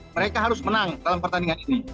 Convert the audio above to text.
mereka harus menang dalam pertandingan ini